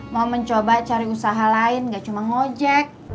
mau mencoba cari usaha lain gak cuma ngojek